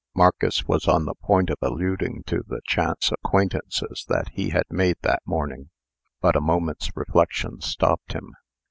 Marcus was on the point of alluding to the chance acquaintances that he had made that morning; but a moment's reflection stopped him.